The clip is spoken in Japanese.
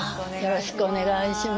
よろしくお願いします。